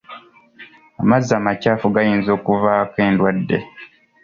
Amazzi amakyafu gayinza okuvaako endwadde.